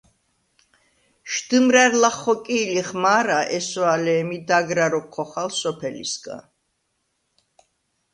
შდჷმრა̈რ ლახ ხოკი̄ლიხ მა̄რა, ესვა̄ლე̄მი დაგრა როქვ ხოხალ სოფელისგა.